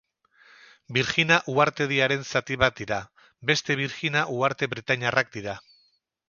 Birjina uhartediaren zati bat dira; bestea Birjina uharte britainiarrak dira.